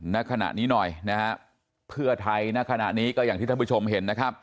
ณขณะนี้หน่อยนะฮะเพื่อไทยณขณะนี้ก็อย่างที่ท่านผู้ชมเห็นนะครับ